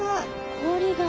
氷が。